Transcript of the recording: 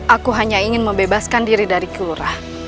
aku hanya ingin membebaskan diri dari kelurahan